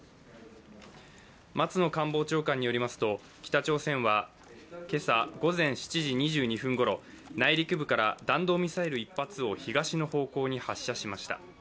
松野官房長官によりますと北朝鮮は今朝午前７時２２分頃内陸部から弾道ミサイル１発を東の方向に発射しました。